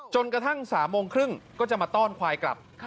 จนกระทั่ง๓โมงครึ่งก็จะมาต้อนควายกลับ